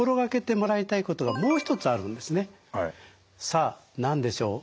さあ何でしょう？